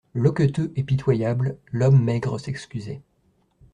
Loqueteux et pitoyable, l'homme maigre s'excusait.